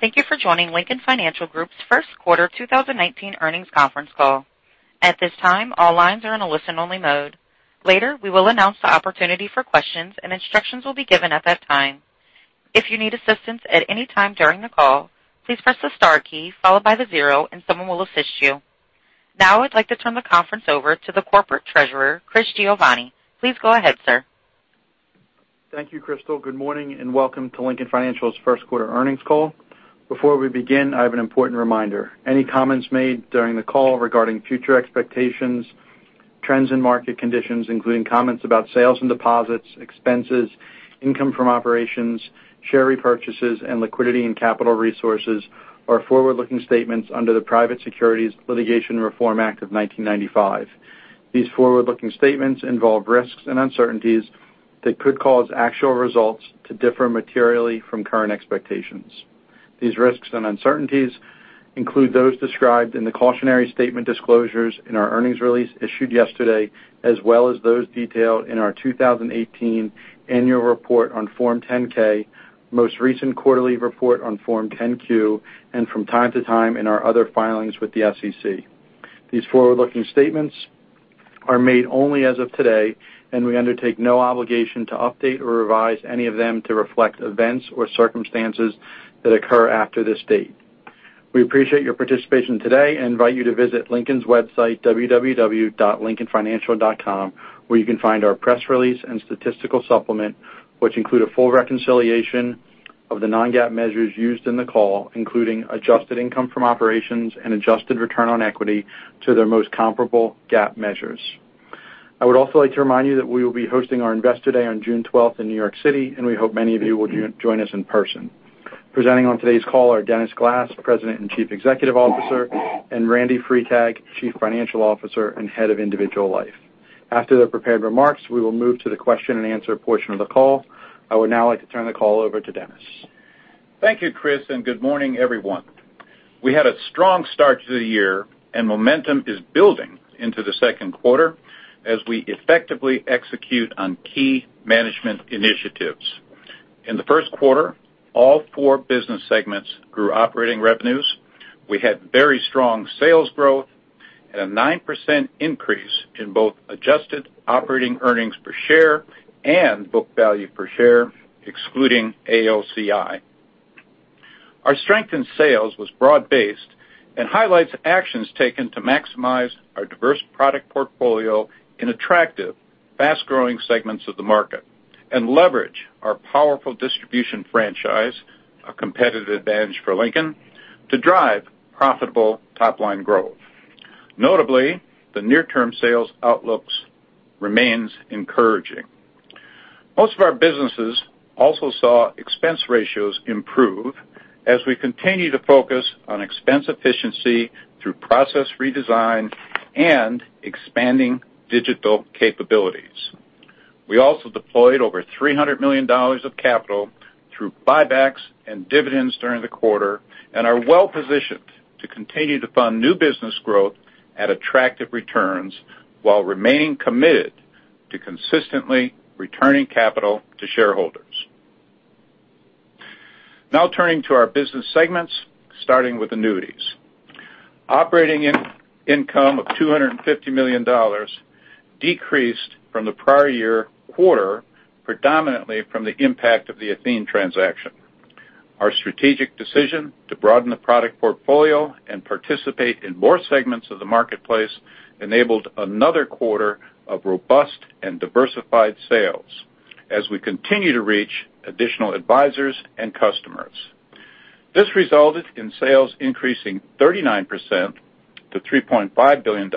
Thank you for joining Lincoln Financial Group's first quarter 2019 earnings conference call. At this time, all lines are in a listen-only mode. Later, we will announce the opportunity for questions, and instructions will be given at that time. If you need assistance at any time during the call, please press the star key followed by the zero and someone will assist you. I'd like to turn the conference over to the Corporate Treasurer, Chris Giovanni. Please go ahead, sir. Thank you, Crystal. Good morning and welcome to Lincoln Financial's first quarter earnings call. Before we begin, I have an important reminder. Any comments made during the call regarding future expectations, trends and market conditions, including comments about sales and deposits, expenses, income from operations, share repurchases, and liquidity and capital resources, are forward-looking statements under the Private Securities Litigation Reform Act of 1995. These forward-looking statements involve risks and uncertainties that could cause actual results to differ materially from current expectations. These risks and uncertainties include those described in the cautionary statement disclosures in our earnings release issued yesterday, as well as those detailed in our 2018 annual report on Form 10-K, most recent quarterly report on Form 10-Q, and from time to time in our other filings with the SEC. These forward-looking statements are made only as of today, we undertake no obligation to update or revise any of them to reflect events or circumstances that occur after this date. We appreciate your participation today and invite you to visit Lincoln's website, www.lincolnfinancial.com, where you can find our press release and statistical supplement, which include a full reconciliation of the non-GAAP measures used in the call, including adjusted income from operations and adjusted return on equity to their most comparable GAAP measures. I would also like to remind you that we will be hosting our Investor Day on June 12th in New York City, we hope many of you will join us in person. Presenting on today's call are Dennis Glass, President and Chief Executive Officer, and Randy Freitag, Chief Financial Officer and Head of Individual Life. After their prepared remarks, we will move to the question and answer portion of the call. I would now like to turn the call over to Dennis. Thank you, Chris, and good morning, everyone. We had a strong start to the year, and momentum is building into the second quarter as we effectively execute on key management initiatives. In the first quarter, all four business segments grew operating revenues. We had very strong sales growth and a 9% increase in both adjusted operating earnings per share and book value per share, excluding AOCI. Our strength in sales was broad-based and highlights actions taken to maximize our diverse product portfolio in attractive, fast-growing segments of the market and leverage our powerful distribution franchise, a competitive advantage for Lincoln, to drive profitable top-line growth. Notably, the near-term sales outlook remains encouraging. Most of our businesses also saw expense ratios improve as we continue to focus on expense efficiency through process redesign and expanding digital capabilities. We also deployed over $300 million of capital through buybacks and dividends during the quarter and are well-positioned to continue to fund new business growth at attractive returns while remaining committed to consistently returning capital to shareholders. Turning to our business segments, starting with annuities. Operating income of $250 million decreased from the prior year quarter, predominantly from the impact of the Athene transaction. Our strategic decision to broaden the product portfolio and participate in more segments of the marketplace enabled another quarter of robust and diversified sales as we continue to reach additional advisors and customers. This resulted in sales increasing 39% to $3.5 billion,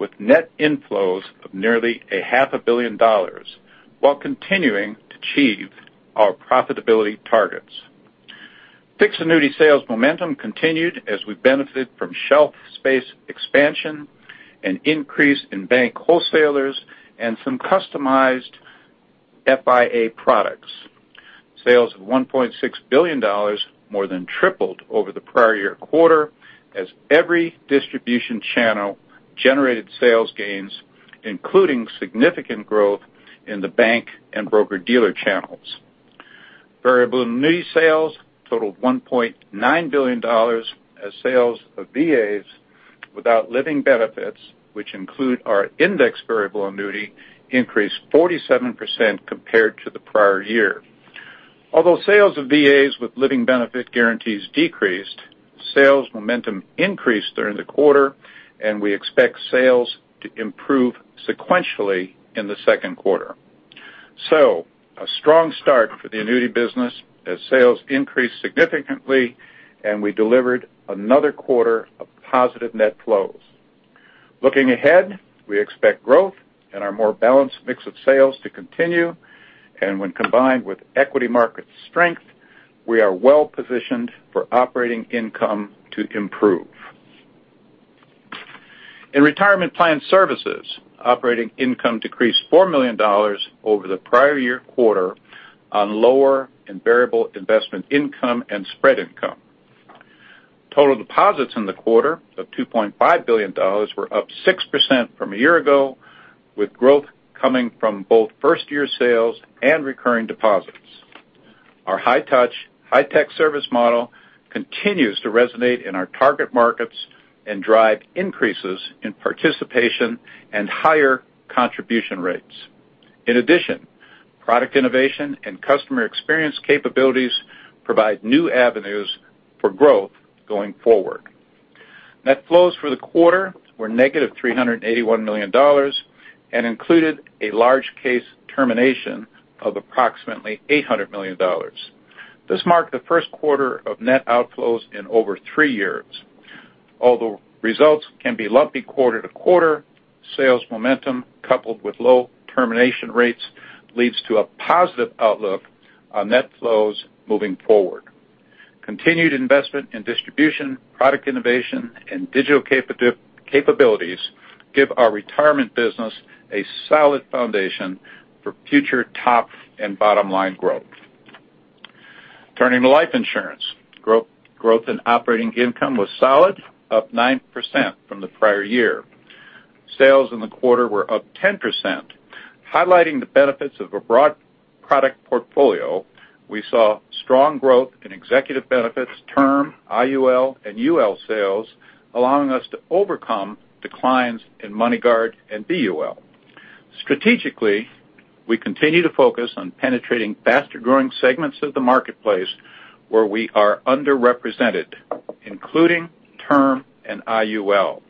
with net inflows of nearly a half a billion dollars while continuing to achieve our profitability targets. Fixed annuity sales momentum continued as we benefit from shelf space expansion, an increase in bank wholesalers, and some customized FIA products. Sales of $1.6 billion more than tripled over the prior year quarter as every distribution channel generated sales gains, including significant growth in the bank and broker-dealer channels. Variable annuity sales totaled $1.9 billion as sales of VAs without living benefits, which include our indexed variable annuity, increased 47% compared to the prior year. Although sales of VAs with living benefit guarantees decreased, sales momentum increased during the quarter, and we expect sales to improve sequentially in the second quarter. A strong start for the annuity business as sales increased significantly and we delivered another quarter of positive net flows. Looking ahead, we expect growth and our more balanced mix of sales to continue, and when combined with equity market strength, we are well-positioned for operating income to improve. In Retirement Plan Services, operating income decreased $4 million over the prior year quarter on lower and variable investment income and spread income. Total deposits in the quarter of $2.5 billion were up 6% from a year ago, with growth coming from both first-year sales and recurring deposits. Our high-touch, high-tech service model continues to resonate in our target markets and drive increases in participation and higher contribution rates. In addition, product innovation and customer experience capabilities provide new avenues for growth going forward. Net flows for the quarter were negative $381 million and included a large case termination of approximately $800 million. This marked the first quarter of net outflows in over three years. Although results can be lumpy quarter to quarter, sales momentum coupled with low termination rates leads to a positive outlook on net flows moving forward. Continued investment in distribution, product innovation, and digital capabilities give our retirement business a solid foundation for future top and bottom-line growth. Turning to life insurance. Growth in operating income was solid, up 9% from the prior year. Sales in the quarter were up 10%, highlighting the benefits of a broad product portfolio, we saw strong growth in executive benefits, term, IUL, and UL sales, allowing us to overcome declines in MoneyGuard and BUL. Strategically, we continue to focus on penetrating faster-growing segments of the marketplace where we are underrepresented, including term and IUL.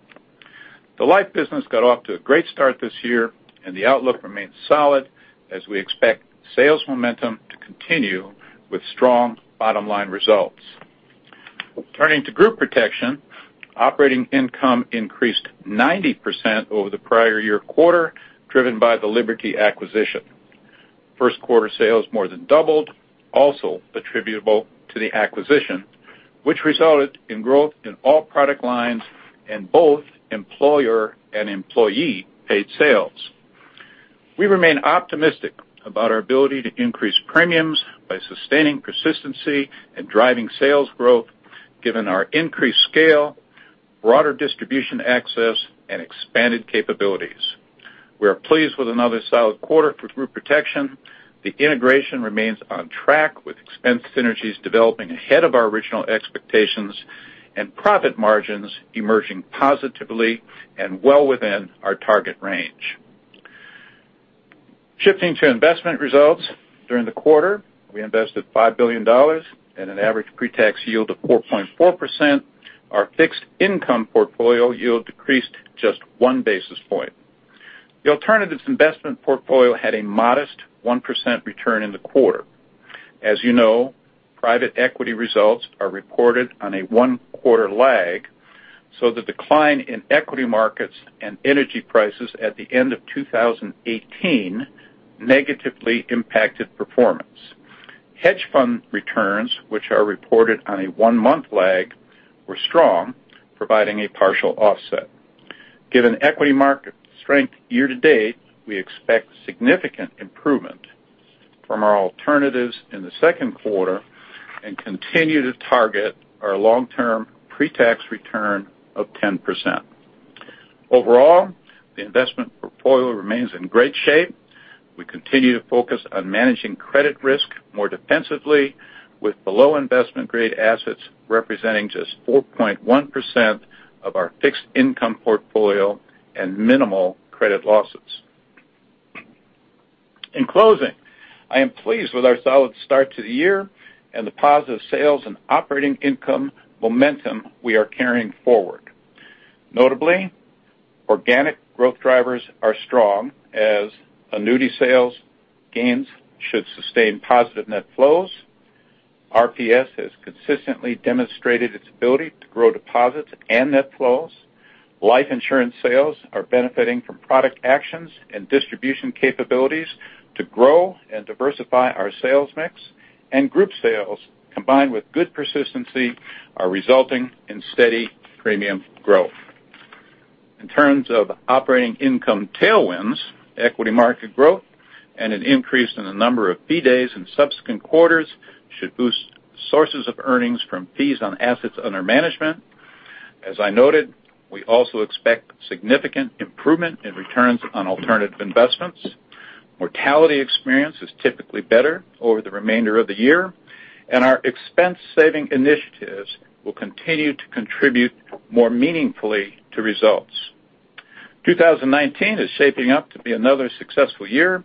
The life business got off to a great start this year, the outlook remains solid as we expect sales momentum to continue with strong bottom-line results. Turning to group protection, operating income increased 90% over the prior year quarter, driven by the Liberty acquisition. First quarter sales more than doubled, also attributable to the acquisition, which resulted in growth in all product lines and both employer and employee-paid sales. We remain optimistic about our ability to increase premiums by sustaining persistency and driving sales growth given our increased scale, broader distribution access, and expanded capabilities. We are pleased with another solid quarter for group protection. The integration remains on track with expense synergies developing ahead of our original expectations, profit margins emerging positively and well within our target range. Shifting to investment results. During the quarter, we invested $5 billion at an average pretax yield of 4.4%. Our fixed income portfolio yield decreased just one basis point. The alternatives investment portfolio had a modest 1% return in the quarter. As you know, private equity results are reported on a one-quarter lag, the decline in equity markets and energy prices at the end of 2018 negatively impacted performance. Hedge fund returns, which are reported on a one-month lag, were strong, providing a partial offset. Given equity market strength year to date, we expect significant improvement from our alternatives in the second quarter and continue to target our long-term pretax return of 10%. Overall, the investment portfolio remains in great shape. We continue to focus on managing credit risk more defensively with below-investment-grade assets representing just 4.1% of our fixed income portfolio and minimal credit losses. In closing, I am pleased with our solid start to the year and the positive sales and operating income momentum we are carrying forward. Notably, organic growth drivers are strong as annuity sales gains should sustain positive net flows. RPS has consistently demonstrated its ability to grow deposits and net flows. Life insurance sales are benefiting from product actions and distribution capabilities to grow and diversify our sales mix. Group sales, combined with good persistency, are resulting in steady premium growth. In terms of operating income tailwinds, equity market growth and an increase in the number of fee days in subsequent quarters should boost sources of earnings from fees on assets under management. As I noted, we also expect significant improvement in returns on alternative investments. Mortality experience is typically better over the remainder of the year. Our expense-saving initiatives will continue to contribute more meaningfully to results. 2019 is shaping up to be another successful year,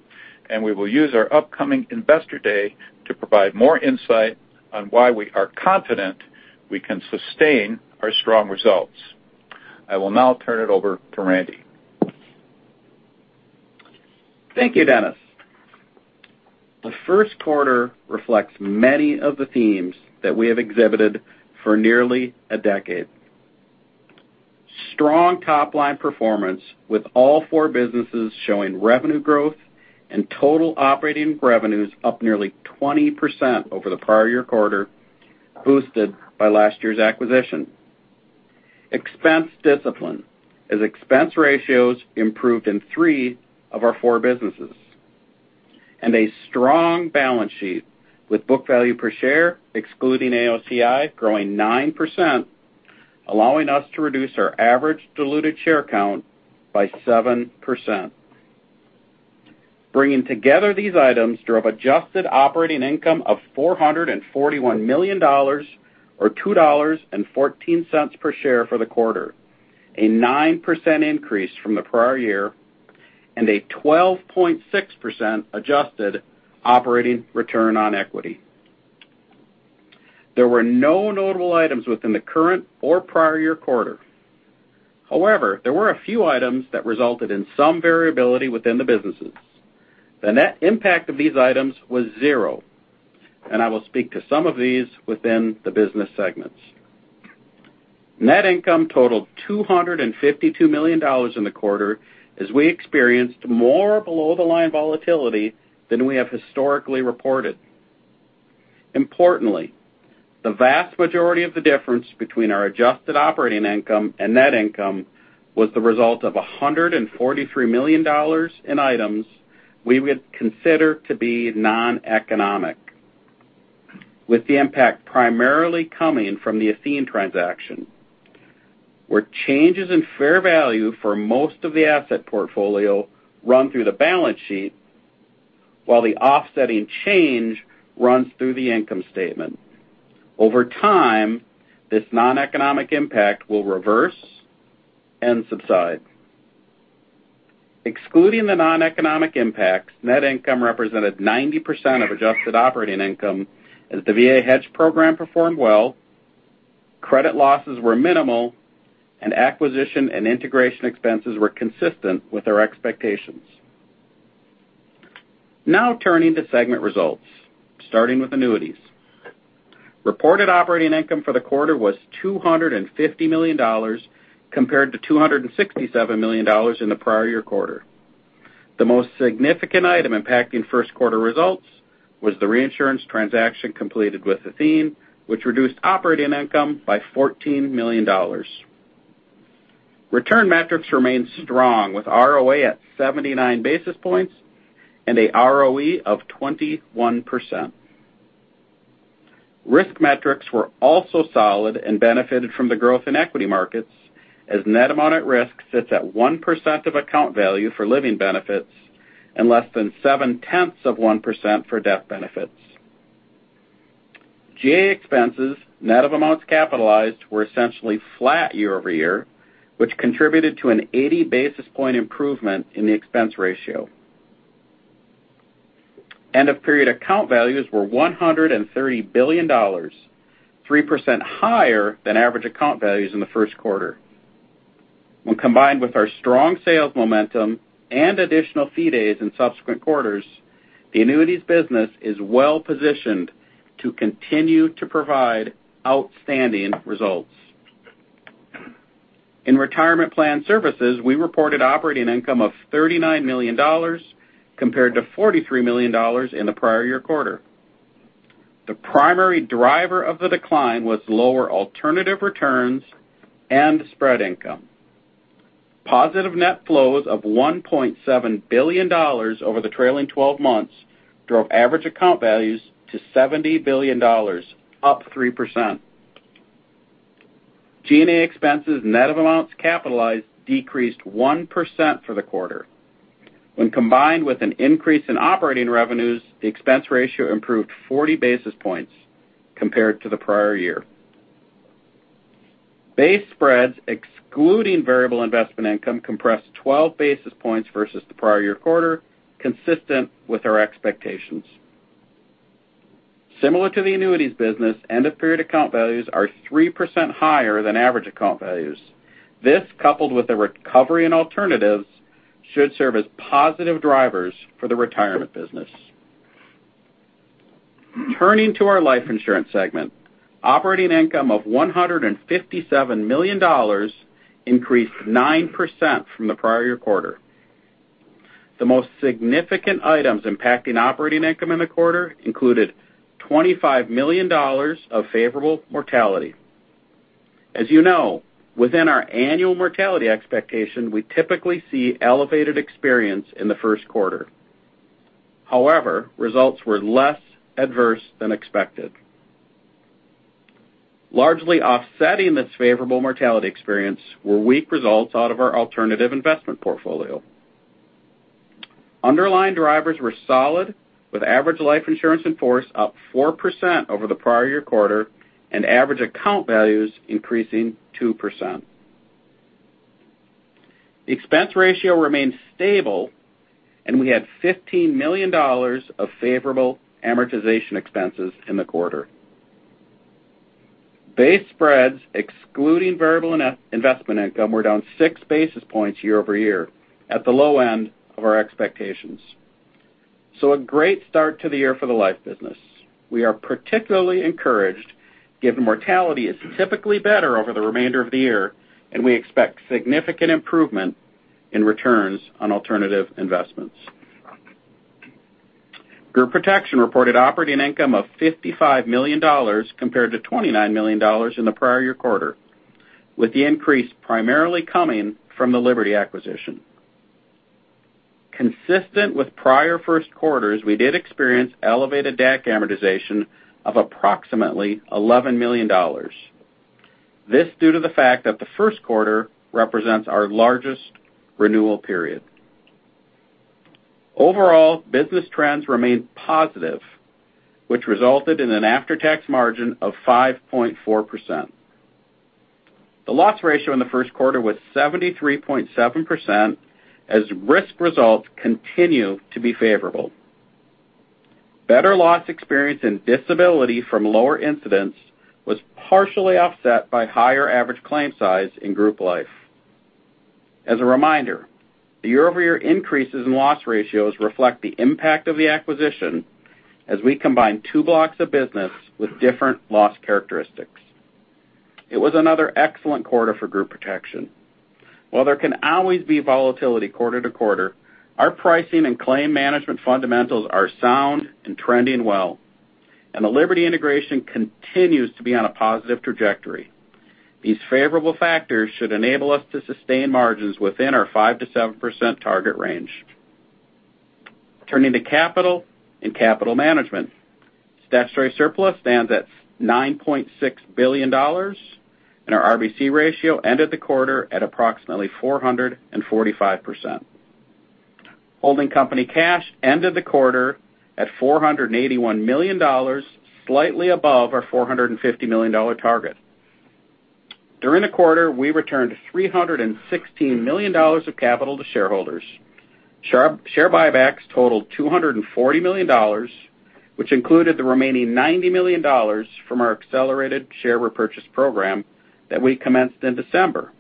and we will use our upcoming investor day to provide more insight on why we are confident we can sustain our strong results. I will now turn it over to Randy. Thank you, Dennis. The first quarter reflects many of the themes that we have exhibited for nearly a decade. Strong top-line performance with all four businesses showing revenue growth and total operating revenues up nearly 20% over the prior year quarter, boosted by last year's acquisition. Expense discipline, as expense ratios improved in three of our four businesses. A strong balance sheet with book value per share, excluding AOCI growing 9%, allowing us to reduce our average diluted share count by 7%. Bringing together these items drove adjusted operating income of $441 million, or $2.14 per share for the quarter, a 9% increase from the prior year and a 12.6% adjusted operating return on equity. There were no notable items within the current or prior year quarter. There were a few items that resulted in some variability within the businesses. The net impact of these items was zero, I will speak to some of these within the business segments. Net income totaled $252 million in the quarter, as we experienced more below-the-line volatility than we have historically reported. Importantly, the vast majority of the difference between our adjusted operating income and net income was the result of $143 million in items we would consider to be non-economic, with the impact primarily coming from the Athene transaction, where changes in fair value for most of the asset portfolio run through the balance sheet, while the offsetting change runs through the income statement. Over time, this non-economic impact will reverse and subside. Excluding the non-economic impacts, net income represented 90% of adjusted operating income as the VA hedge program performed well, credit losses were minimal, and acquisition and integration expenses were consistent with our expectations. Turning to segment results, starting with annuities. Reported operating income for the quarter was $250 million, compared to $267 million in the prior year quarter. The most significant item impacting first quarter results was the reinsurance transaction completed with Athene, which reduced operating income by $14 million. Return metrics remained strong, with ROA at 79 basis points and an ROE of 21%. Risk metrics were also solid and benefited from the growth in equity markets, as net amount at risk sits at 1% of account value for living benefits and less than seven-tenths of 1% for death benefits. G&A expenses, net of amounts capitalized were essentially flat year-over-year, which contributed to an 80 basis point improvement in the expense ratio. End-of-period account values were $130 billion, 3% higher than average account values in the first quarter. When combined with our strong sales momentum and additional fee days in subsequent quarters, the annuities business is well-positioned to continue to provide outstanding results. In retirement plan services, we reported operating income of $39 million, compared to $43 million in the prior year quarter. The primary driver of the decline was lower alternative returns and spread income. Positive net flows of $1.7 billion over the trailing 12 months drove average account values to $70 billion, up 3%. G&A expenses net of amounts capitalized decreased 1% for the quarter. When combined with an increase in operating revenues, the expense ratio improved 40 basis points compared to the prior year. Base spreads excluding variable investment income compressed 12 basis points versus the prior year quarter, consistent with our expectations. Similar to the annuities business, end-of-period account values are 3% higher than average account values. This, coupled with a recovery in alternatives, should serve as positive drivers for the retirement business. Turning to our life insurance segment, operating income of $157 million increased 9% from the prior year quarter. The most significant items impacting operating income in the quarter included $25 million of favorable mortality. As you know, within our annual mortality expectation, we typically see elevated experience in the first quarter. However, results were less adverse than expected. Largely offsetting this favorable mortality experience were weak results out of our alternative investment portfolio. Underlying drivers were solid with average life insurance in force up 4% over the prior year quarter and average account values increasing 2%. The expense ratio remained stable, and we had $15 million of favorable amortization expenses in the quarter. Base spreads excluding variable net investment income were down six basis points year over year, at the low end of our expectations. A great start to the year for the life business. We are particularly encouraged, given mortality is typically better over the remainder of the year, and we expect significant improvement in returns on alternative investments. Group Protection reported operating income of $55 million compared to $29 million in the prior year quarter, with the increase primarily coming from the Liberty acquisition. Consistent with prior first quarters, we did experience elevated DAC amortization of approximately $11 million, due to the fact that the first quarter represents our largest renewal period. Overall, business trends remained positive, which resulted in an after-tax margin of 5.4%. The loss ratio in the first quarter was 73.7%, as risk results continue to be favorable. Better loss experience in disability from lower incidents was partially offset by higher average claim size in Group Life. As a reminder, the year-over-year increases in loss ratios reflect the impact of the acquisition as we combine two blocks of business with different loss characteristics. It was another excellent quarter for Group Protection. While there can always be volatility quarter to quarter, our pricing and claim management fundamentals are sound and trending well, and the Liberty integration continues to be on a positive trajectory. These favorable factors should enable us to sustain margins within our 5%-7% target range. Turning to capital and capital management. Statutory surplus stands at $9.6 billion, and our RBC ratio ended the quarter at approximately 445%. Holding company cash ended the quarter at $481 million, slightly above our $450 million target. During the quarter, we returned $316 million of capital to shareholders. Share buybacks totaled $240 million, which included the remaining $90 million from our accelerated share repurchase program that we commenced in December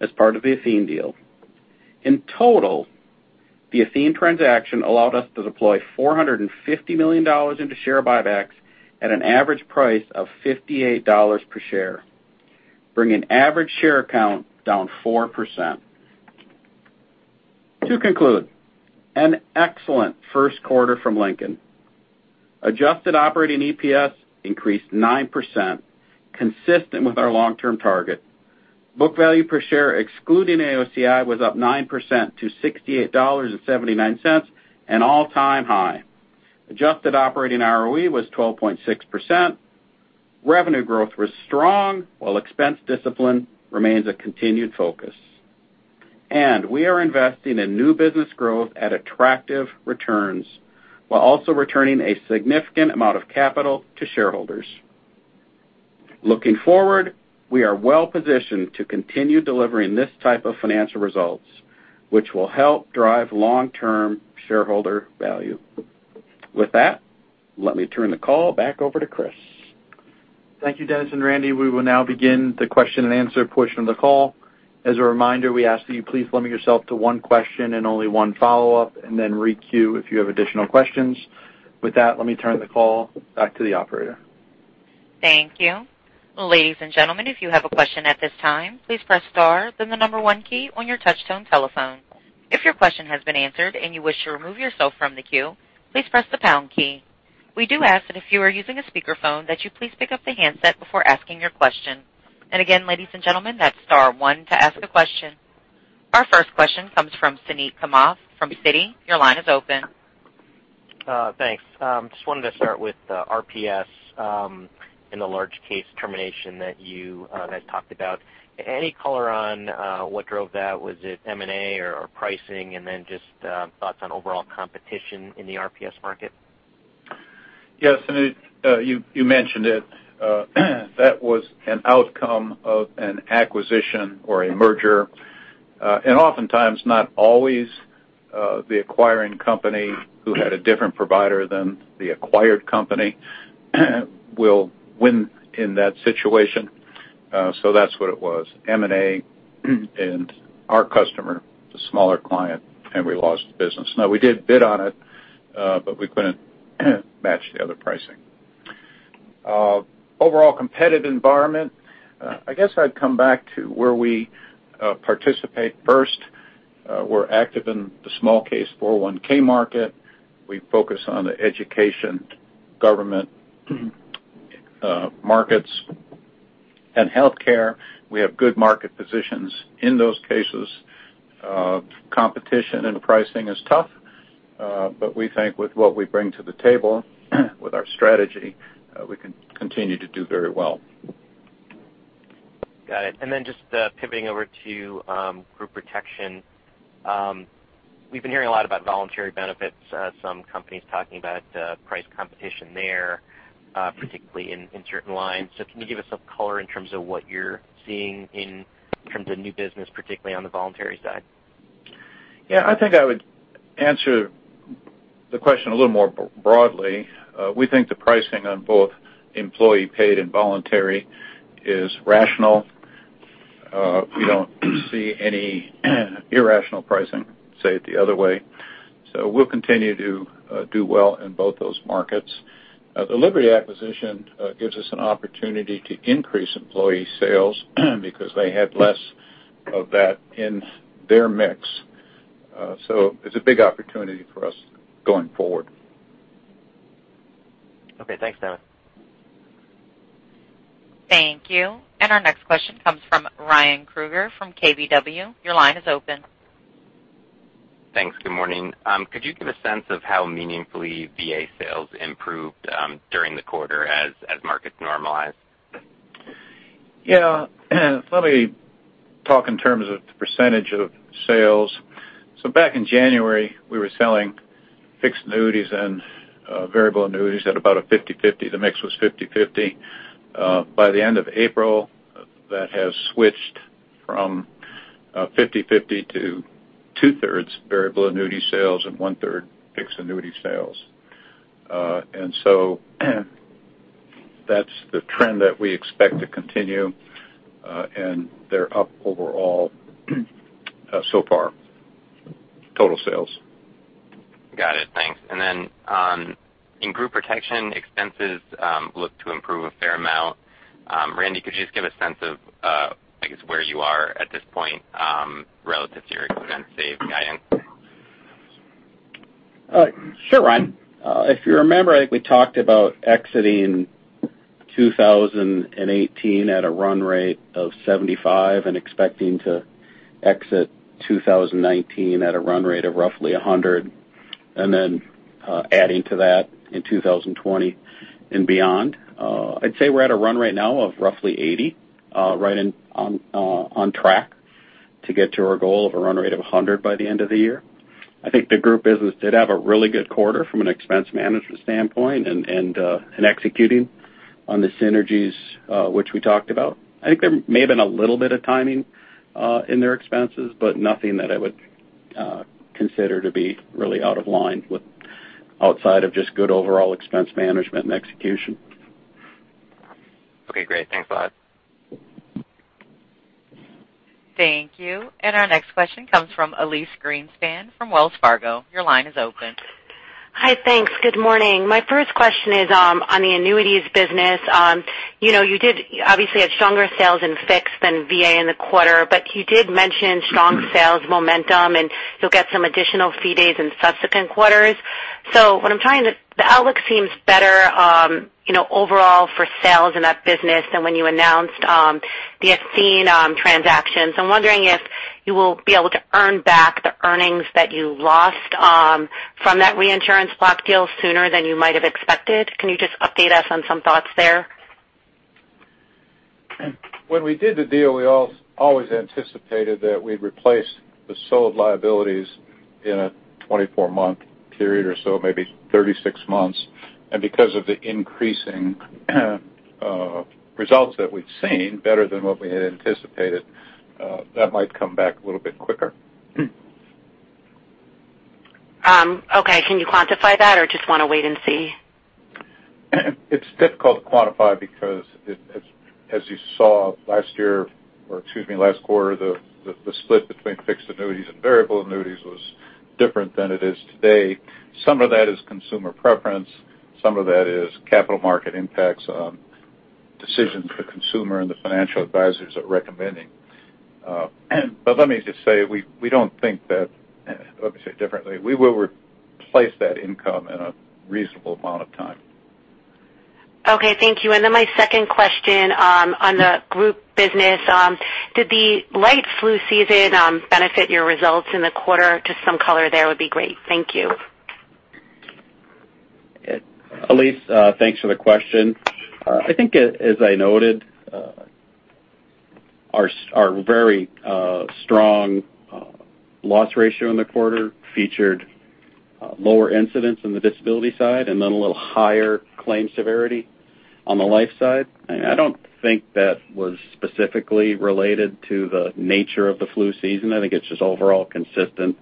as part of the Athene deal. In total, the Athene transaction allowed us to deploy $450 million into share buybacks at an average price of $58 per share, bringing average share count down 4%. To conclude, an excellent first quarter from Lincoln. Adjusted operating EPS increased 9%, consistent with our long-term target. Book value per share excluding AOCI was up 9% to $68.79, an all-time high. Adjusted operating ROE was 12.6%. Revenue growth was strong, while expense discipline remains a continued focus. We are investing in new business growth at attractive returns while also returning a significant amount of capital to shareholders. Looking forward, we are well-positioned to continue delivering this type of financial results, which will help drive long-term shareholder value. With that, let me turn the call back over to Chris. Thank you, Dennis and Randy. We will now begin the question and answer portion of the call. As a reminder, we ask that you please limit yourself to one question and only one follow-up, and then re-queue if you have additional questions. With that, let me turn the call back to the operator. Thank you. Ladies and gentlemen, if you have a question at this time, please press star then the number one key on your touchtone telephone. If your question has been answered and you wish to remove yourself from the queue, please press the pound key. We do ask that if you are using a speakerphone, that you please pick up the handset before asking your question. Again, ladies and gentlemen, that's star one to ask a question. Our first question comes from Suneet Kamath from Citi. Your line is open. Thanks. Just wanted to start with the RPS in the large case termination that you guys talked about. Any color on what drove that? Was it M&A or pricing? Just thoughts on overall competition in the RPS market. Yes, Suneet, you mentioned it. That was an outcome of an acquisition or a merger. Oftentimes, not always the acquiring company who had a different provider than the acquired company will win in that situation. That's what it was, M&A and our customer, the smaller client, and we lost the business. Now, we did bid on it, we couldn't match the other pricing. Overall competitive environment, I guess I'd come back to where we participate first. We're active in the small case 401(k) market. We focus on the education, government markets, and healthcare. We have good market positions in those cases. Competition and pricing is tough, we think with what we bring to the table with our strategy, we can continue to do very well. Got it. Just pivoting over to Group Protection. We've been hearing a lot about voluntary benefits, some companies talking about price competition there, particularly in certain lines. Can you give us some color in terms of what you're seeing in terms of new business, particularly on the voluntary side? Yeah, I think I would answer the question a little more broadly. We think the pricing on both employee-paid and voluntary is rational. We don't see any irrational pricing, say it the other way. We'll continue to do well in both those markets. The Liberty acquisition gives us an opportunity to increase employee sales because they had less of that in their mix. It's a big opportunity for us going forward. Okay, thanks, Suneet. Thank you. Our next question comes from Ryan Krueger from KBW. Your line is open. Thanks. Good morning. Could you give a sense of how meaningfully VA sales improved during the quarter as markets normalized? Yeah. Let me talk in terms of the percentage of sales. Back in January, we were selling fixed annuities and variable annuities at about a 50/50. The mix was 50/50. By the end of April, that has switched from 50/50 to two-thirds variable annuity sales and one-third fixed annuity sales. That's the trend that we expect to continue. They're up overall so far, total sales. Got it. Thanks. In group protection, expenses look to improve a fair amount. Randy, could you just give a sense of, I guess, where you are at this point, relative to your expense save guidance? Sure, Ryan. If you remember, I think we talked about exiting 2018 at a run rate of 75 and expecting to exit 2019 at a run rate of roughly 100, and then adding to that in 2020 and beyond. I'd say we're at a run rate now of roughly 80, right on track to get to our goal of a run rate of 100 by the end of the year. I think the group business did have a really good quarter from an expense management standpoint and executing on the synergies, which we talked about. I think there may have been a little bit of timing in their expenses, but nothing that I would consider to be really out of line with outside of just good overall expense management and execution. Okay, great. Thanks a lot. Thank you. Our next question comes from Elyse Greenspan from Wells Fargo. Your line is open. Hi. Thanks. Good morning. My first question is on the annuities business. You did obviously have stronger sales in fixed than VA in the quarter, but you did mention strong sales momentum, and you'll get some additional fee days in subsequent quarters. The outlook seems better overall for sales in that business than when you announced the Athene transactions. I'm wondering if you will be able to earn back the earnings that you lost from that reinsurance block deal sooner than you might have expected. Can you just update us on some thoughts there? When we did the deal, we always anticipated that we'd replace the sold liabilities in a 24 month period or so, maybe 36 months. Because of the increasing results that we've seen, better than what we had anticipated, that might come back a little bit quicker. Okay. Can you quantify that or just want to wait and see? It's difficult to quantify because as you saw last year, or excuse me, last quarter, the split between fixed annuities and variable annuities was different than it is today. Some of that is consumer preference. Some of that is capital market impacts on decisions the consumer and the financial advisors are recommending. Let me just say, let me say it differently. We will replace that income in a reasonable amount of time. Okay, thank you. My second question on the group business, did the light flu season benefit your results in the quarter? Just some color there would be great. Thank you. Elyse, thanks for the question. I think as I noted, our very strong loss ratio in the quarter featured lower incidents in the disability side and then a little higher claim severity on the life side. I don't think that was specifically related to the nature of the flu season. I think it's just overall consistent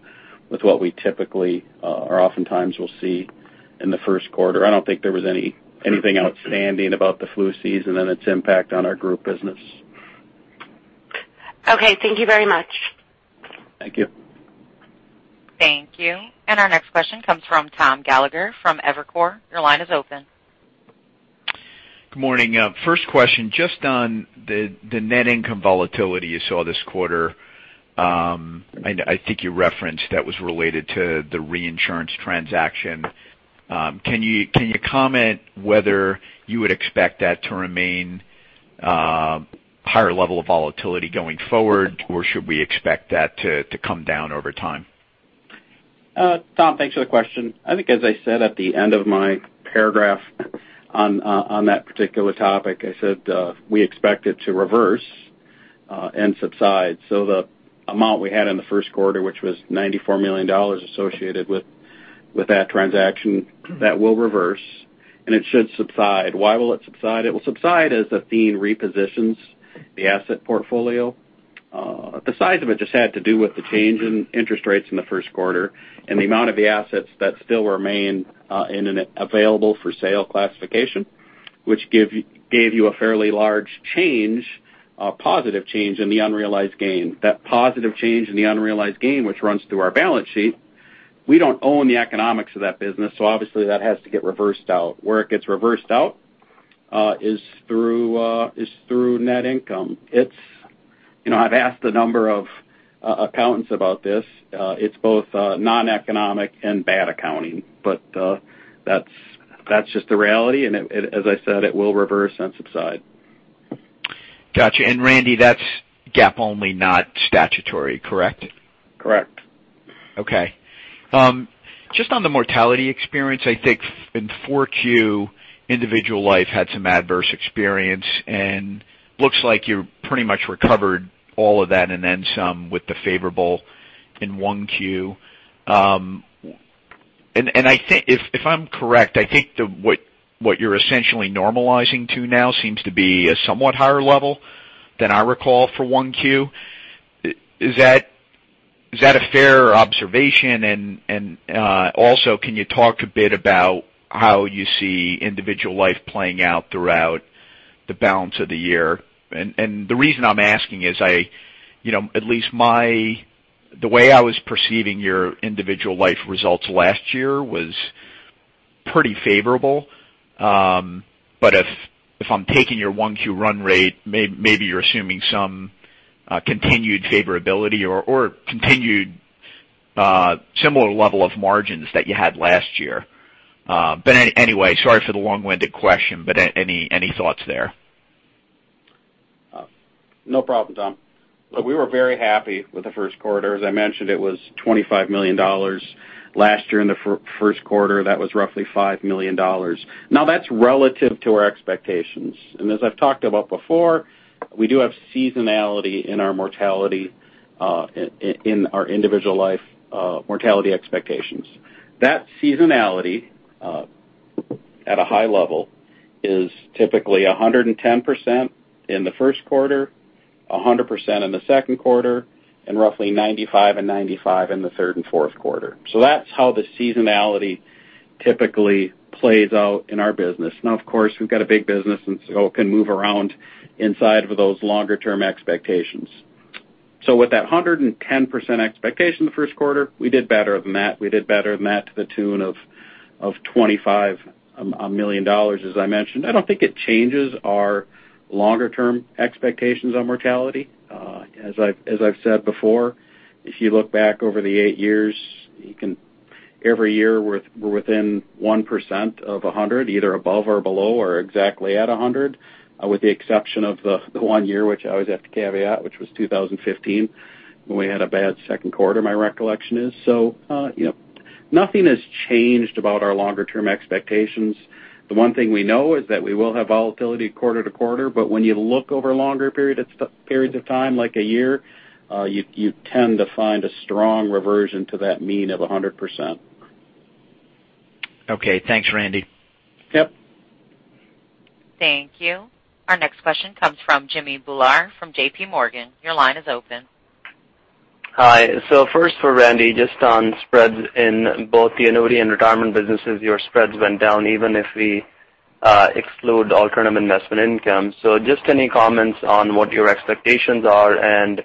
with what we typically or oftentimes will see in the first quarter. I don't think there was anything outstanding about the flu season and its impact on our group business. Okay. Thank you very much. Thank you. Thank you. Our next question comes from Thomas Gallagher from Evercore. Your line is open. Good morning. First question, just on the net income volatility you saw this quarter. I think you referenced that was related to the reinsurance transaction. Can you comment whether you would expect that to remain higher level of volatility going forward, or should we expect that to come down over time? Tom, thanks for the question. I think as I said at the end of my paragraph on that particular topic, I said, we expect it to reverse and subside. The amount we had in the first quarter, which was $94 million associated with that transaction, that will reverse, and it should subside. Why will it subside? It will subside as Athene repositions the asset portfolio. The size of it just had to do with the change in interest rates in the first quarter and the amount of the assets that still remain in an available for sale classification, which gave you a fairly large change, a positive change in the unrealized gain. That positive change in the unrealized gain, which runs through our balance sheet, we don't own the economics of that business, so obviously that has to get reversed out. Where it gets reversed out is through net income. I've asked a number of accountants about this. It's both non-economic and bad accounting, but that's just the reality, and as I said, it will reverse and subside. Got you. Randy, that's GAAP only, not statutory, correct? Correct. Okay. Just on the mortality experience, I think in 4Q, Individual Life had some adverse experience, looks like you pretty much recovered all of that and then some with the favorable in 1Q. If I'm correct, I think what you're essentially normalizing to now seems to be a somewhat higher level than I recall for 1Q. Is that a fair observation? Also, can you talk a bit about how you see Individual Life playing out throughout the balance of the year? The reason I'm asking is, the way I was perceiving your Individual Life results last year was pretty favorable. If I'm taking your 1Q run rate, maybe you're assuming some continued favorability or continued similar level of margins that you had last year. Anyway, sorry for the long-winded question, any thoughts there? No problem, Tom. Look, we were very happy with the first quarter. As I mentioned, it was $25 million. Last year in the first quarter, that was roughly $5 million. That's relative to our expectations. As I've talked about before, we do have seasonality in our mortality, in our Individual Life mortality expectations. That seasonality, at a high level, is typically 110% in the first quarter, 100% in the second quarter, roughly 95% and 95% in the third and fourth quarter. That's how the seasonality typically plays out in our business. Of course, we've got a big business, it can move around inside of those longer term expectations. With that 110% expectation the first quarter, we did better than that. We did better than that to the tune of $25 million, as I mentioned. I don't think it changes our longer term expectations on mortality. As I've said before, if you look back over the 8 years, every year we're within 1% of 100%, either above or below or exactly at 100%, with the exception of the one year, which I always have to caveat, which was 2015, when we had a bad second quarter, my recollection is. Nothing has changed about our longer term expectations. The one thing we know is that we will have volatility quarter to quarter, when you look over longer periods of time, like a year, you tend to find a strong reversion to that mean of 100%. Okay, thanks, Randy. Yep. Thank you. Our next question comes from Jimmy Bhullar from J.P. Morgan. Your line is open. Hi. First for Randy, just on spreads in both the annuity and retirement businesses, your spreads went down even if we exclude alternative investment income. Just any comments on what your expectations are and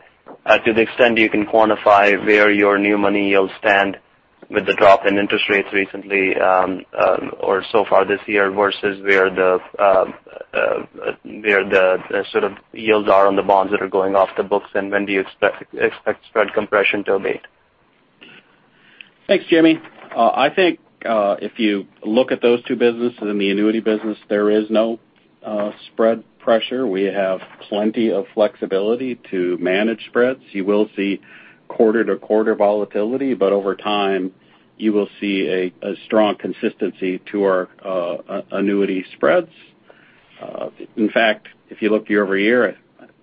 to the extent you can quantify where your new money yields stand with the drop in interest rates recently or so far this year versus where the sort of yields are on the bonds that are going off the books, and when do you expect spread compression to abate? Thanks, Jimmy. I think if you look at those two businesses, in the annuity business, there is no spread pressure. We have plenty of flexibility to manage spreads. You will see quarter-to-quarter volatility, but over time, you will see a strong consistency to our annuity spreads. In fact, if you look year-over-year,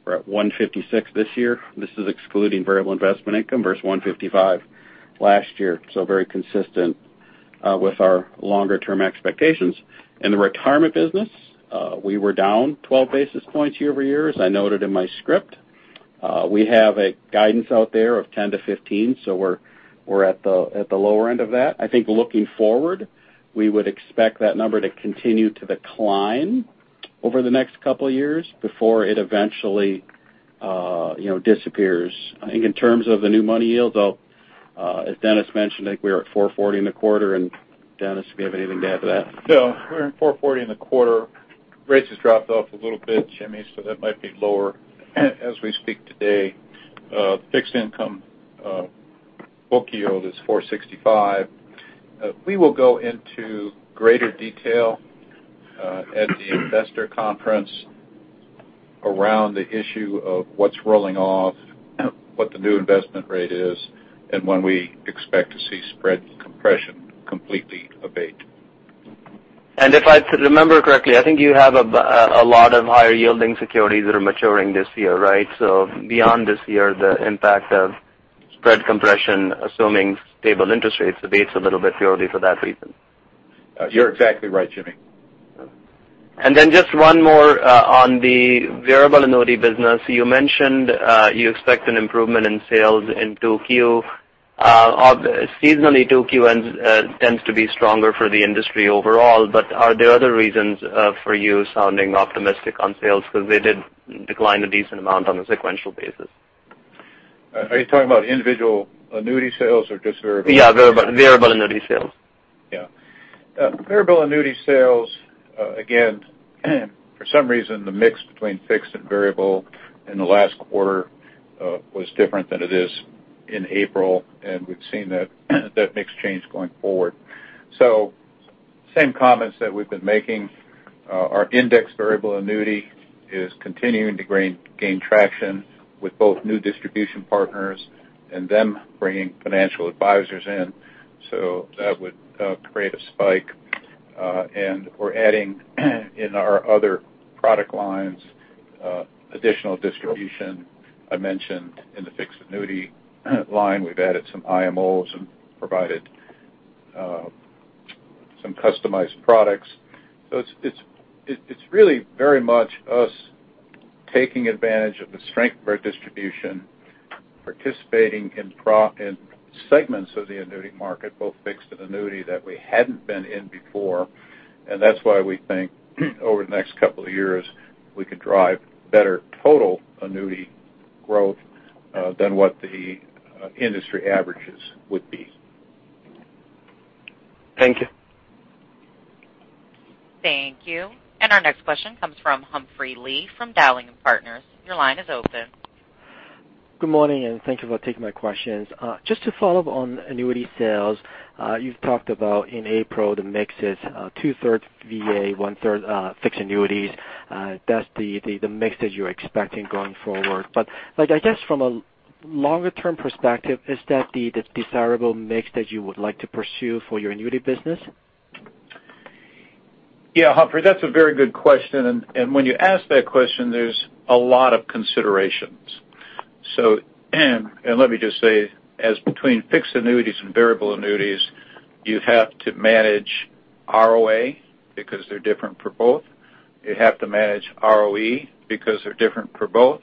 we're at 156 this year. This is excluding variable investment income versus 155 last year. Very consistent with our longer term expectations. In the retirement business, we were down 12 basis points year-over-year, as I noted in my script. We have a guidance out there of 10-15, we're at the lower end of that. I think looking forward, we would expect that number to continue to decline over the next couple of years before it eventually disappears. I think in terms of the new money yield, as Dennis mentioned, I think we are at 440 in the quarter, Dennis, do you have anything to add to that? No. We're in 440 in the quarter. Rates has dropped off a little bit, Jimmy, that might be lower as we speak today. Fixed income book yield is 465. We will go into greater detail at the investor conference around the issue of what's rolling off, what the new investment rate is, and when we expect to see spread compression completely abate. If I remember correctly, I think you have a lot of higher yielding securities that are maturing this year, right? Beyond this year, the impact of spread compression, assuming stable interest rates abates a little bit purely for that reason. You're exactly right, Jimmy. Just one more on the variable annuity business. You mentioned you expect an improvement in sales in 2Q. Seasonally, 2Q tends to be stronger for the industry overall, but are there other reasons for you sounding optimistic on sales? Because they did decline a decent amount on a sequential basis. Are you talking about individual annuity sales or just variable? Yeah, variable annuity sales. Variable annuity sales, again, for some reason, the mix between fixed and variable in the last quarter was different than it is in April, and we've seen that mix change going forward. Same comments that we've been making. Our indexed variable annuity is continuing to gain traction with both new distribution partners and them bringing financial advisors in. That would create a spike. We're adding in our other product lines, additional distribution. I mentioned in the fixed annuity line, we've added some IMOs and provided some customized products. It's really very much us taking advantage of the strength of our distribution, participating in segments of the annuity market, both fixed and annuity that we hadn't been in before, and that's why we think over the next couple of years, we could drive better total annuity growth, than what the industry averages would be. Thank you. Thank you. Our next question comes from Humphrey Lee from Dowling & Partners. Your line is open. Good morning, thank you for taking my questions. Just to follow up on annuity sales. You've talked about in April, the mix is two-thirds VA, one-third fixed annuities. That's the mix that you're expecting going forward. I guess from a longer-term perspective, is that the desirable mix that you would like to pursue for your annuity business? Yeah, Humphrey, that's a very good question. When you ask that question, there's a lot of considerations. Let me just say as between fixed annuities and variable annuities, you have to manage ROA because they're different for both. You have to manage ROE because they're different for both.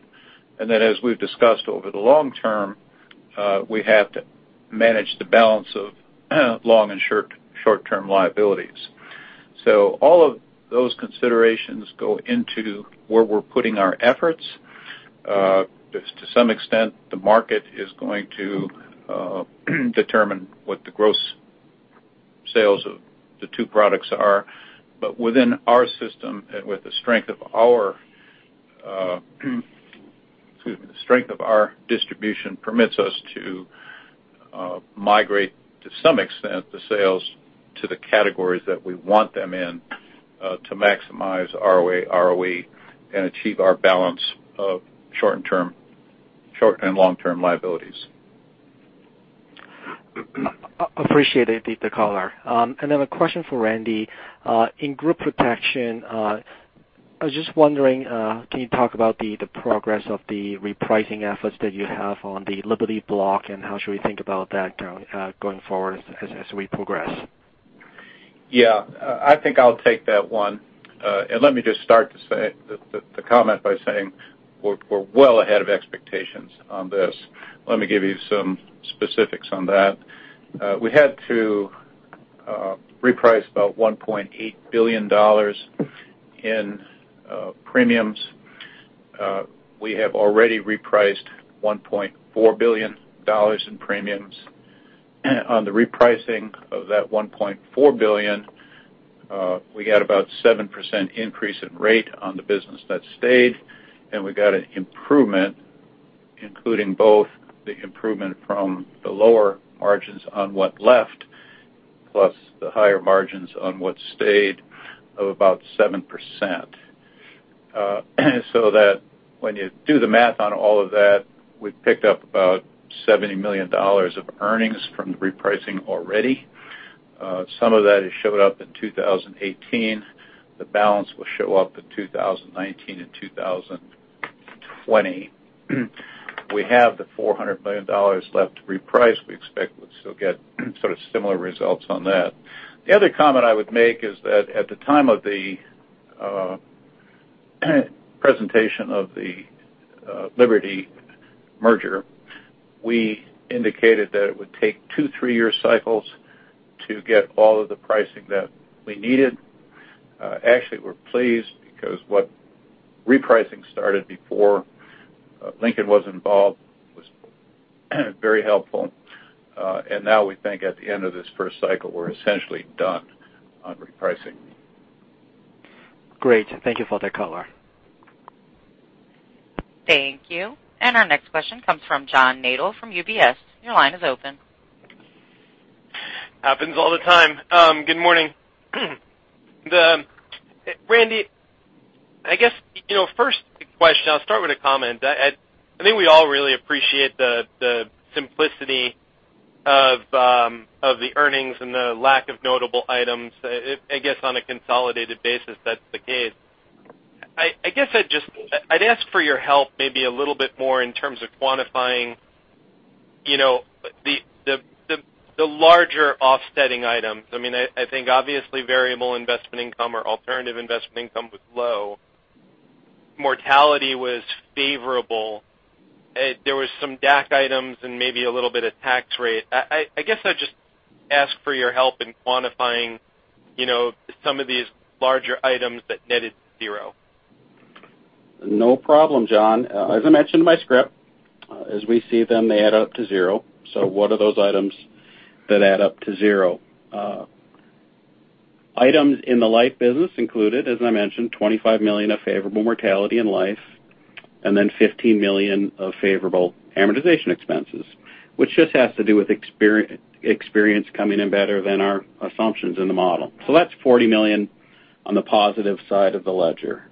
As we've discussed over the long term, we have to manage the balance of long and short-term liabilities. All of those considerations go into where we're putting our efforts. To some extent, the market is going to determine what the gross sales of the two products are, within our system and with the strength of our distribution permits us to migrate to some extent, the sales to the categories that we want them in, to maximize ROA, ROE, and achieve our balance of short and long-term liabilities. Appreciate it. Thanks for the color. A question for Randy. In group protection, I was just wondering, can you talk about the progress of the repricing efforts that you have on the Liberty block, and how should we think about that going forward as we progress? Yeah. I think I'll take that one. Let me just start the comment by saying we're well ahead of expectations on this. Let me give you some specifics on that. We had to reprice about $1.8 billion in premiums. We have already repriced $1.4 billion in premiums. On the repricing of that $1.4 billion, we got about 7% increase in rate on the business that stayed, and we got an improvement, including both the improvement from the lower margins on what left, plus the higher margins on what stayed of about 7%. When you do the math on all of that, we've picked up about $70 million of earnings from the repricing already. Some of that has showed up in 2018. The balance will show up in 2019 and 2020. We have the $400 million left to reprice. We expect we'll still get sort of similar results on that. The other comment I would make is that at the time of the presentation of the Liberty merger, we indicated that it would take two three-year cycles to get all of the pricing that we needed. Actually, we're pleased because what repricing started before Lincoln was involved was very helpful. Now we think at the end of this first cycle, we're essentially done on repricing. Great. Thank you for the color. Thank you. Our next question comes from John Nadel from UBS. Your line is open. Happens all the time. Good morning. Randy, I guess, first question, I'll start with a comment. I think we all really appreciate the simplicity of the earnings and the lack of notable items. I guess on a consolidated basis, that's the case. I guess I'd ask for your help maybe a little bit more in terms of quantifying the larger offsetting items. I think obviously variable investment income or alternative investment income was low. Mortality was favorable. There was some DAC items and maybe a little bit of tax rate. I guess I'd just ask for your help in quantifying some of these larger items that netted zero. No problem, John. As I mentioned in my script, as we see them, they add up to zero. What are those items that add up to zero? Items in the life business included, as I mentioned, $25 million of favorable mortality in life, and $15 million of favorable amortization expenses, which just has to do with experience coming in better than our assumptions in the model. That's $40 million on the positive side of the ledger.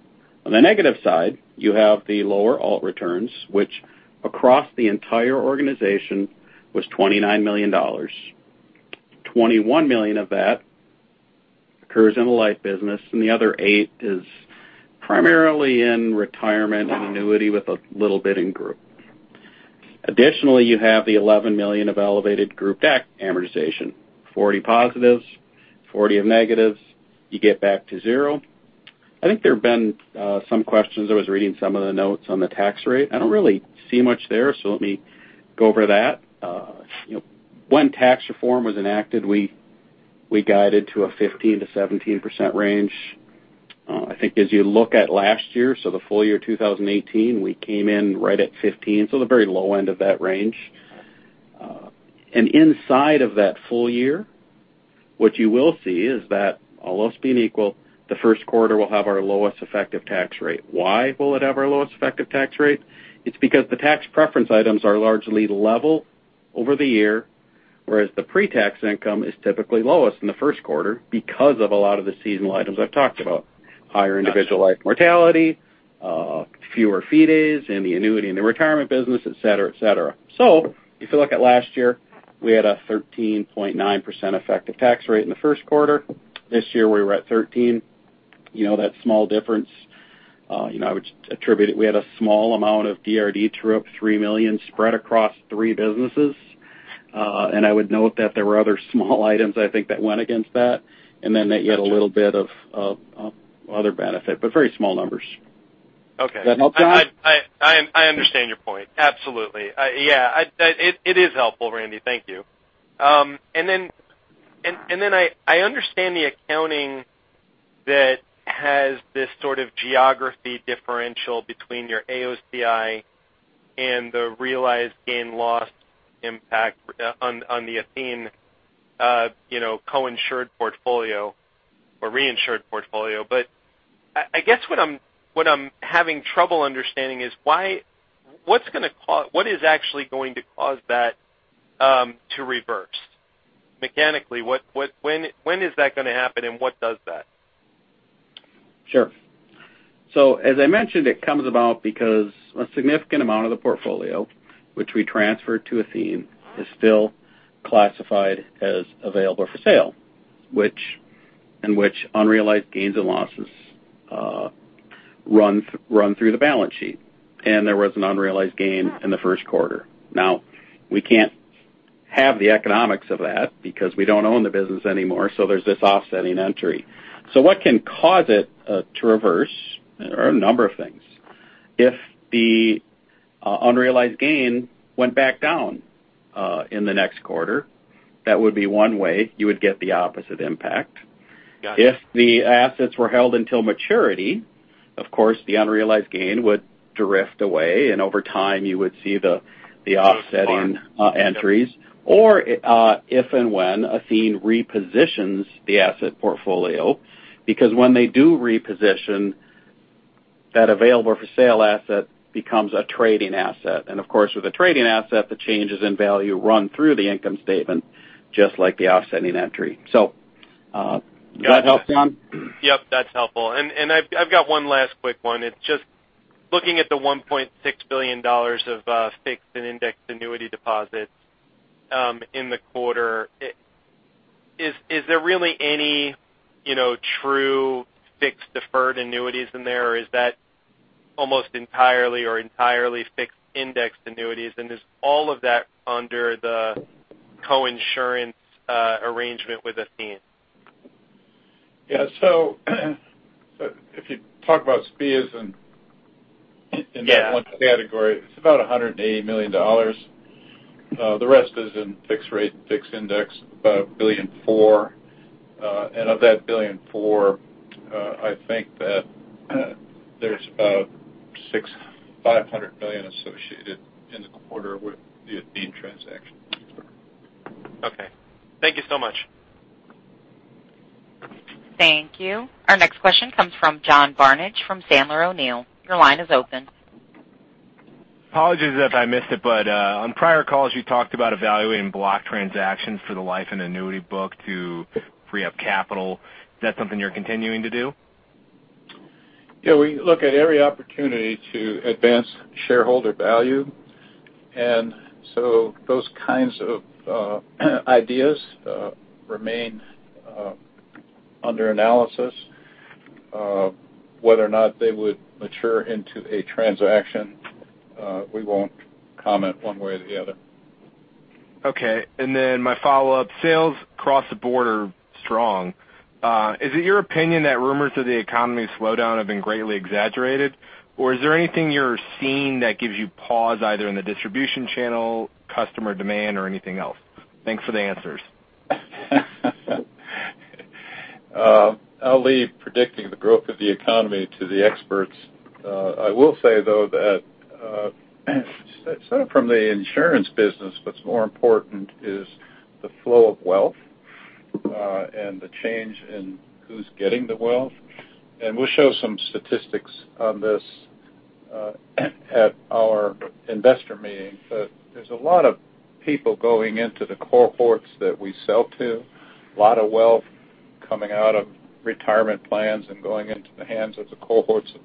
On the negative side, you have the lower alt returns, which across the entire organization was $29 million. $21 million of that occurs in the life business, and the other eight is primarily in retirement and annuity with a little bit in group. Additionally, you have the $11 million of elevated group DAC amortization. 40 positives, 40 of negatives, you get back to zero. I think there have been some questions. I was reading some of the notes on the tax rate. I don't really see much there, let me go over that. When tax reform was enacted, we guided to a 15%-17% range. I think as you look at last year, the full year 2018, we came in right at 15, the very low end of that range. Inside of that full year, what you will see is that all else being equal, the first quarter will have our lowest effective tax rate. Why will it have its lowest effective tax rate? It's because the tax preference items are largely level over the year, whereas the pre-tax income is typically lowest in the first quarter because of a lot of the seasonal items I've talked about. Higher individual life mortality, fewer fee days in the annuity, in the retirement business, et cetera. If you look at last year, we had a 13.9% effective tax rate in the first quarter. This year, we were at 13%. That small difference, I would attribute it. We had a small amount of DRD through, $3 million spread across three businesses. I would note that there were other small items, I think, that went against that, then that you had a little bit of other benefit, but very small numbers. Okay. Does that help, John? I understand your point. Absolutely. Yeah. It is helpful, Randy. Thank you. I understand the accounting that has this sort of geography differential between your AOCI and the realized gain loss impact on the Athene co-insured portfolio or reinsured portfolio. I guess what I'm having trouble understanding is what is actually going to cause that to reverse? Mechanically, when is that going to happen, and what does that? Sure. As I mentioned, it comes about because a significant amount of the portfolio which we transferred to Athene is still classified as available for sale, and which unrealized gains and losses run through the balance sheet. There was an unrealized gain in the first quarter. Now, we can't have the economics of that because we don't own the business anymore, there's this offsetting entry. What can cause it to reverse are a number of things. If the unrealized gain went back down in the next quarter, that would be one way you would get the opposite impact. Got it. If the assets were held until maturity, of course, the unrealized gain would drift away, and over time you would see the offsetting entries. Or if and when Athene repositions the asset portfolio. Because when they do reposition, that available for sale asset becomes a trading asset. Of course, with a trading asset, the changes in value run through the income statement, just like the offsetting entry. Does that help, John? Yep, that's helpful. I've got one last quick one. It's just looking at the $1.6 billion of fixed and indexed annuity deposits in the quarter. Is there really any true fixed deferred annuities in there, or is that almost entirely or entirely fixed indexed annuities? Is all of that under the co-insurance arrangement with Athene? Yeah. If you talk about SPIA in- Yeah that category 1, it's about $180 million. The rest is in fixed rate and fixed index, about $1.4 billion. Of that $1.4 billion, I think that there's about $600 million, $500 million associated in the quarter with the Athene transaction. Okay. Thank you so much. Thank you. Our next question comes from John Barnidge from Sandler O'Neill. Your line is open. Apologies if I missed it, on prior calls you talked about evaluating block transactions for the life and annuity book to free up capital. Is that something you're continuing to do? Yeah, we look at every opportunity to advance shareholder value, and so those kinds of ideas remain under analysis. Whether or not they would mature into a transaction, we won't comment one way or the other. Okay. My follow-up, sales across the board are strong. Is it your opinion that rumors of the economic slowdown have been greatly exaggerated, or is there anything you're seeing that gives you pause either in the distribution channel, customer demand, or anything else? Thanks for the answers. I'll leave predicting the growth of the economy to the experts. I will say, though, that from the insurance business, what's more important is the flow of wealth, and the change in who's getting the wealth. We'll show some statistics on this at our investor meeting. There's a lot of people going into the cohorts that we sell to, a lot of wealth coming out of retirement plans and going into the hands of the cohorts of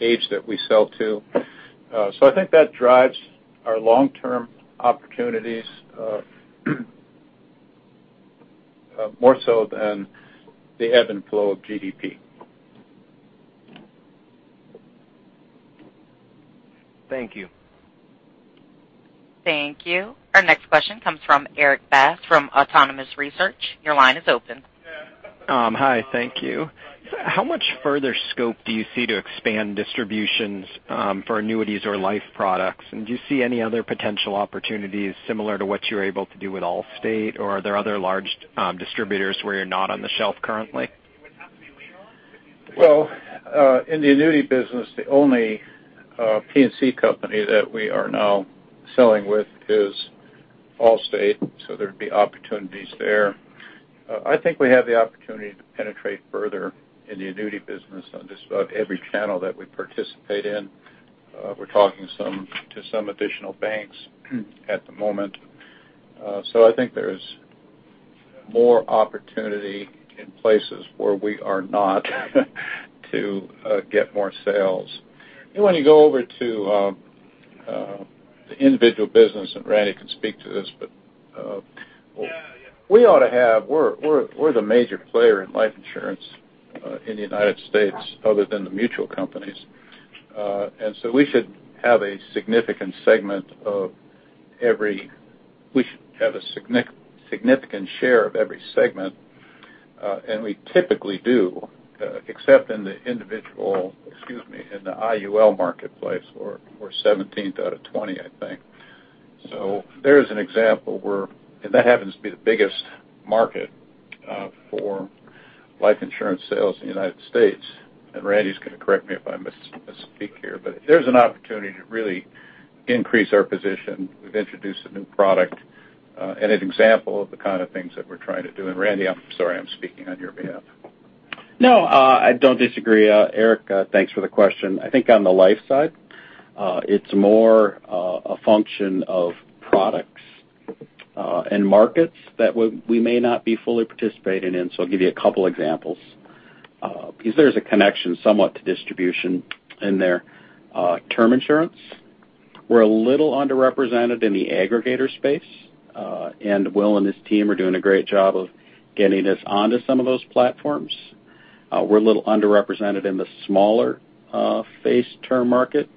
age that we sell to. I think that drives our long-term opportunities more so than the ebb and flow of GDP. Thank you. Thank you. Our next question comes from Erik Bass from Autonomous Research. Your line is open. Hi, thank you. Do you see any other potential opportunities similar to what you were able to do with Allstate, or are there other large distributors where you're not on the shelf currently? Well, in the annuity business, the only P&C company that we are now selling with is Allstate, so there'd be opportunities there. I think we have the opportunity to penetrate further in the annuity business on just about every channel that we participate in. We're talking to some additional banks at the moment. I think there's more opportunity in places where we are not to get more sales. When you go over to the individual business, and Randy can speak to this, but we're the major player in life insurance in the U.S. other than the mutual companies. We should have a significant share of every segment, and we typically do, except in the IUL marketplace. We're 17th out of 20, I think. There's an example, and that happens to be the biggest market for life insurance sales in the U.S., and Randy's going to correct me if I misspeak here, but there's an opportunity to really increase our position. We've introduced a new product and an example of the kind of things that we're trying to do. Randy, I'm sorry, I'm speaking on your behalf. No, I don't disagree. Erik, thanks for the question. I think on the life side, it's more a function of products and markets that we may not be fully participating in. I'll give you a couple examples, because there's a connection somewhat to distribution in there. Term insurance, we're a little underrepresented in the aggregator space, and Will and his team are doing a great job of getting us onto some of those platforms. We're a little underrepresented in the smaller face term market,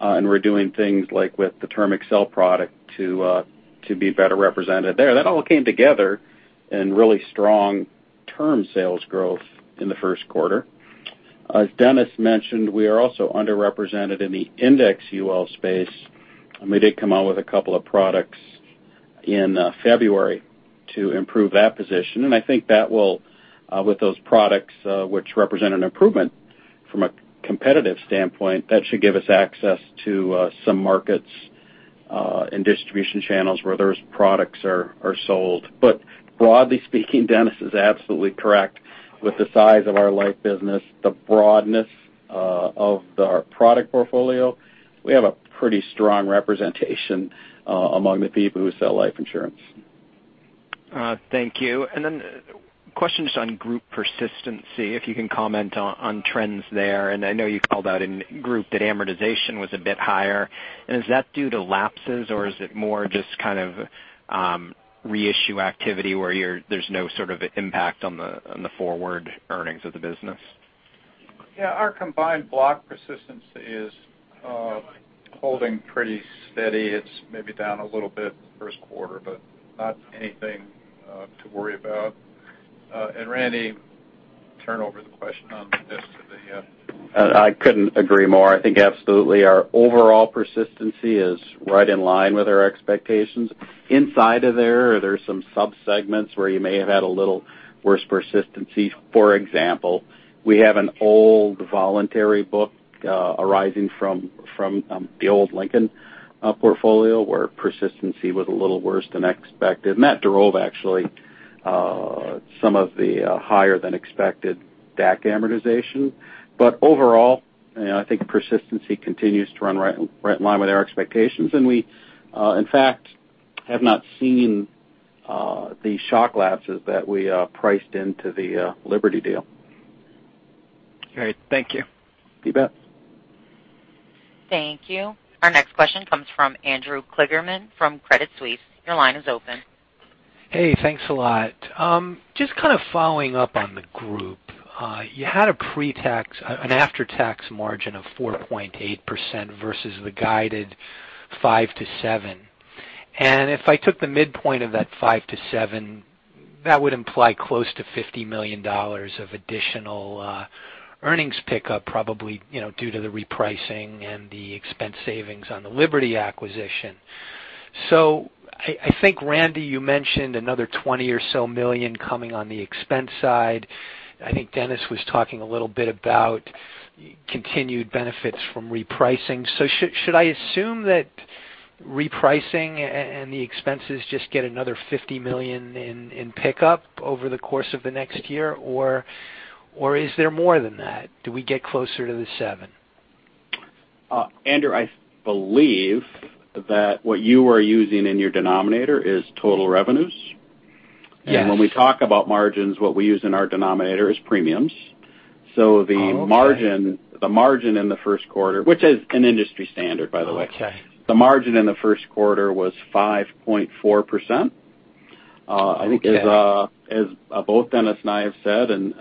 and we're doing things like with the Lincoln TermAccel product to be better represented there. That all came together in really strong term sales growth in the first quarter. As Dennis mentioned, we are also underrepresented in the IUL space, and we did come out with a couple of products in February to improve that position. I think that will, with those products, which represent an improvement from a competitive standpoint, that should give us access to some markets and distribution channels where those products are sold. Broadly speaking, Dennis is absolutely correct. With the size of our life business, the broadness of our product portfolio, we have a pretty strong representation among the people who sell life insurance. Thank you. Then questions on group persistency, if you can comment on trends there. I know you called out in Group that amortization was a bit higher. Is that due to lapses or is it more just kind of reissue activity where there's no sort of impact on the forward earnings of the business? Our combined block persistence is holding pretty steady. It's maybe down a little bit first quarter, but not anything to worry about. Randy, turn over the question on this to the- I couldn't agree more. I think absolutely our overall persistency is right in line with our expectations. Inside of there's some sub-segments where you may have had a little worse persistency. For example, we have an old voluntary book arising from the old Lincoln portfolio where persistency was a little worse than expected. That drove, actually, some of the higher than expected DAC amortization. Overall, I think persistency continues to run right in line with our expectations. We, in fact, have not seen the shock lapses that we priced into the Liberty deal. Great. Thank you. You bet. Thank you. Our next question comes from Andrew Kligerman from Credit Suisse. Your line is open. Hey, thanks a lot. Just kind of following up on the group. You had an after-tax margin of 4.8% versus the guided 5%-7%. If I took the midpoint of that 5%-7%, that would imply close to $50 million of additional earnings pickup, probably due to the repricing and the expense savings on the Liberty acquisition. I think, Randy, you mentioned another $20 million or so coming on the expense side. I think Dennis was talking a little bit about continued benefits from repricing. Should I assume that repricing and the expenses just get another $50 million in pickup over the course of the next year? Is there more than that? Do we get closer to the 7%? Andrew, I believe that what you are using in your denominator is total revenues. Yes. When we talk about margins, what we use in our denominator is premiums. Okay. The margin in the first quarter, which is an industry standard, by the way. Okay. The margin in the first quarter was 5.4%. Okay. I think as both Dennis and I have said, and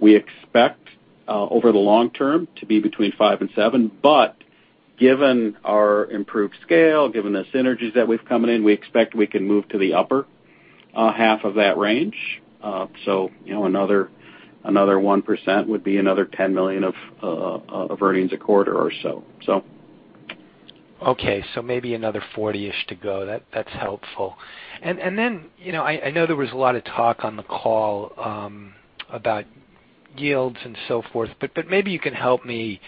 we expect, over the long term, to be between five and seven. Given our improved scale, given the synergies that we've coming in, we expect we can move to the upper half of that range. Another 1% would be another $10 million of earnings a quarter or so. Maybe another 40-ish to go. That's helpful. I know there was a lot of talk on the call about yields and so forth, but maybe you can help me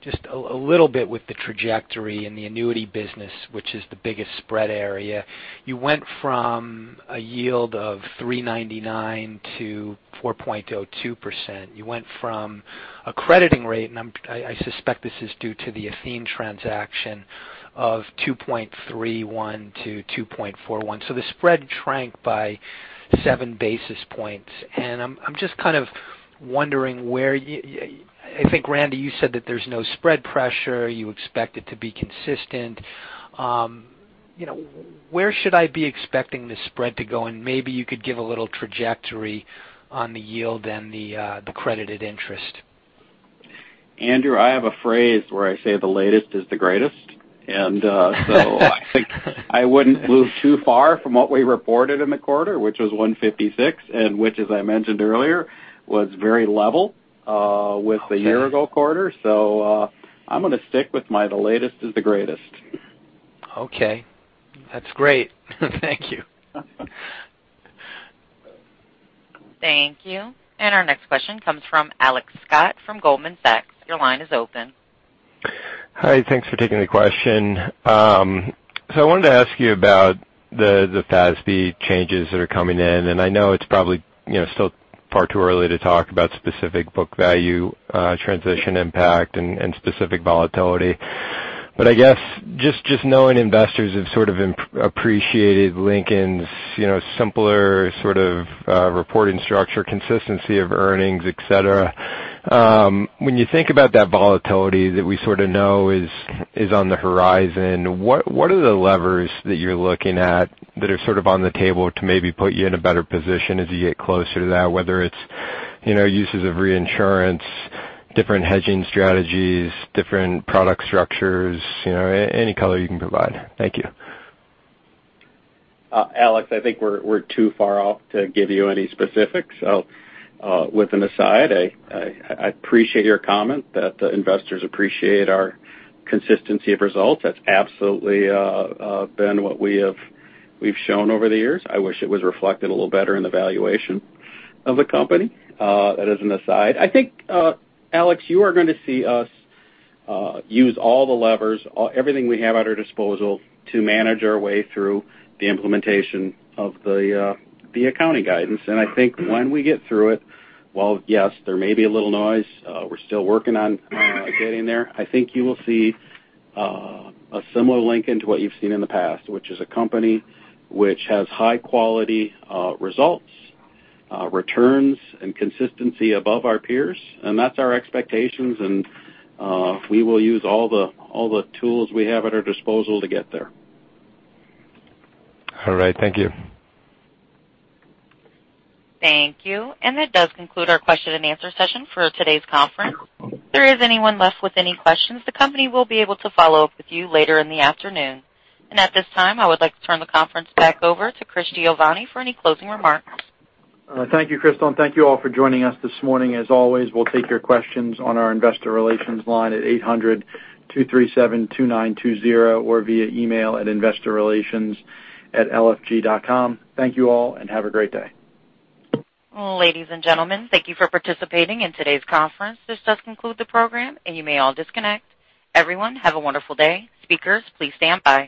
just a little bit with the trajectory in the annuity business, which is the biggest spread area. You went from a yield of 3.99 to 4.02%. You went from a crediting rate, and I suspect this is due to the Athene transaction, of 2.31 to 2.41. The spread shrank by seven basis points, and I'm just kind of wondering where I think, Randy, you said that there's no spread pressure. You expect it to be consistent. Where should I be expecting the spread to go? Maybe you could give a little trajectory on the yield and the credited interest. Andrew, I have a phrase where I say the latest is the greatest. I think I wouldn't move too far from what we reported in the quarter, which was $1.56, and which, as I mentioned earlier, was very level- Okay with the year-ago quarter. I'm going to stick with my the latest is the greatest. Okay. That's great. Thank you. Thank you. Our next question comes from Alex Scott from Goldman Sachs. Your line is open. Hi. Thanks for taking the question. I wanted to ask you about the FASB changes that are coming in, and I know it's probably still far too early to talk about specific book value transition impact and specific volatility. I guess, just knowing investors have sort of appreciated Lincoln's simpler sort of reporting structure, consistency of earnings, et cetera. When you think about that volatility that we sort of know is on the horizon, what are the levers that you're looking at that are sort of on the table to maybe put you in a better position as you get closer to that, whether it's uses of reinsurance, different hedging strategies, different product structures, any color you can provide. Thank you. Alex, I think we're too far off to give you any specifics. With an aside, I appreciate your comment that the investors appreciate our consistency of results. That's absolutely been what we've shown over the years. I wish it was reflected a little better in the valuation of the company. That as an aside. I think, Alex, you are going to see us use all the levers, everything we have at our disposal to manage our way through the implementation of the accounting guidance. I think when we get through it, while yes, there may be a little noise, we're still working on getting there. I think you will see a similar Lincoln to what you've seen in the past, which is a company which has high-quality results, returns, and consistency above our peers, and that's our expectations, and we will use all the tools we have at our disposal to get there. All right. Thank you. Thank you. That does conclude our question and answer session for today's conference. If there is anyone left with any questions, the company will be able to follow up with you later in the afternoon. At this time, I would like to turn the conference back over to Christopher Giovanni for any closing remarks. Thank you, Crystal. Thank you all for joining us this morning. As always, we'll take your questions on our investor relations line at 800-237-2920 or via email at investorrelations@lfg.com. Thank you all. Have a great day. Ladies and gentlemen, thank you for participating in today's conference. This does conclude the program. You may all disconnect. Everyone, have a wonderful day. Speakers, please stand by.